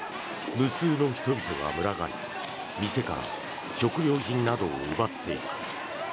無数の人々が群がり店から食料品などを奪っていく。